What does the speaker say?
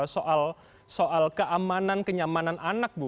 soal keamanan kenyamanan anak bu